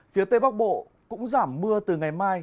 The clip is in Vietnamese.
phía tây bắc bộ cũng giảm mưa từ ngày mai